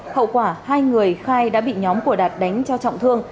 hậu quả hai người khai đã bị nhóm của đạt đánh cho trọng thương